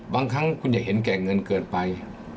บางครั้งคุณอยากเห็นแก่เงินเกินไป